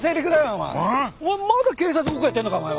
お前まだ警察ごっこやってんのかお前は！